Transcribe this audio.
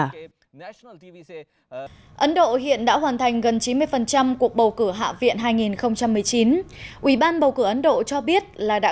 ấn độ hiện đã hoàn thành gần chín mươi cuộc bầu cử hạ viện hai nghìn một mươi chín ủy ban bầu cử ấn độ cho biết là đã